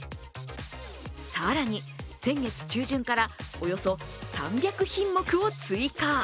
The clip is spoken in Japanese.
更に先月中旬からおよそ３００品目を追加。